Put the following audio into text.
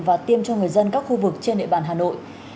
và tiêm cho người dân các khu vực trên địa bàn hà nội